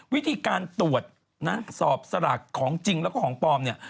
วิธีการตรวจนะสอบสลากของจริงแล้วก็ของปลอมเนี่ย